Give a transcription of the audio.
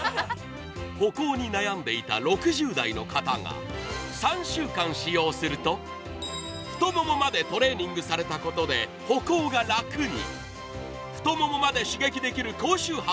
歩行に悩んでいた６０代の方が３週間使用すると、太ももまでトレーニングされたことで歩行が楽に。